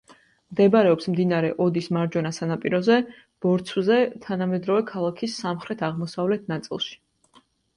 მდებარეობს მდინარე ოდის მარჯვენა სანაპიროზე, ბორცვზე, თანამედროვე ქალაქის სამხრეთ-აღმოსავლეთ ნაწილში.